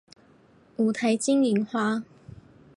五台金银花